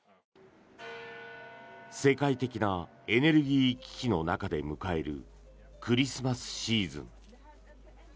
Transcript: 世界的なエネルギー危機の中で迎えるクリスマスシーズン。